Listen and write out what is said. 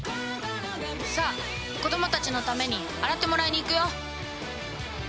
さあ子どもたちのために洗ってもらいに行くよ！